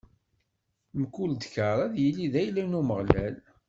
Mkul dkeṛ ad yili d ayla n Umeɣlal.